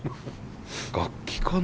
楽器かな？